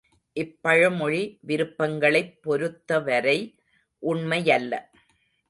இப்பழமொழி விருப்பங்களைப் பொருத்தவரை உண்மை யல்ல.